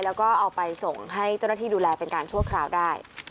แล้วก็เอาไปส่งให้เจ้าหน้าที่ดูแลเป็นการชั่วคราวได้